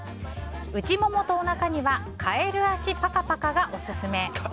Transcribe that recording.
内ももとおなかにはカエル足パカパカがオススメ。